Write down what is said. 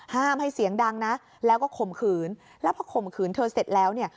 ห้ามให้เสียงดังนะแล้วก็ข่มขืนแล้วพอข่มขืนเธอเสร็จแล้วเนี่ย